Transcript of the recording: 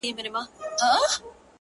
خوشحال په دې يم چي ذهين نه سمه!